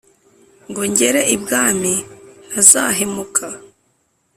ngo ngere ibwami ntazahemuka